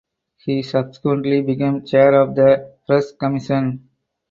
He subsequently became chair of the "Press Commission".